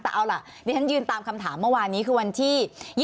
แต่เอาล่ะดิฉันยืนตามคำถามเมื่อวานนี้คือวันที่๒๒